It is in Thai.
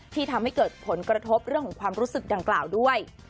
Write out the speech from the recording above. ทำให้เกิดผลกระทบเรื่องของความรู้สึกดังกล่าวด้วย